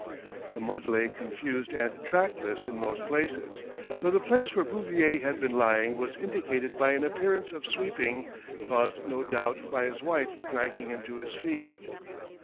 The mud lay confused and trackless in most places, though the place where Bouvier had been lying was indicated by an appearance of sweeping, caused, no doubt, by his wife dragging him to his feet.